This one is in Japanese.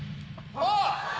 あっ！